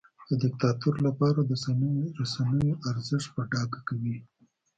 د دیکتاتور لپاره د رسنیو ارزښت په ډاګه کوي.